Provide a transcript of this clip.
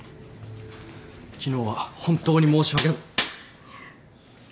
昨日は本当に申し訳。